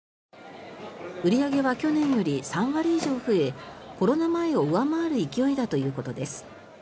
売り上げは去年より３割以上増えコロナ前を上回る勢いだということです。